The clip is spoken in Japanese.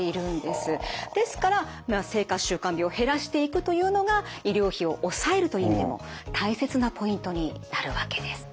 ですから生活習慣病減らしていくというのが医療費を抑えるという意味でも大切なポイントになるわけです。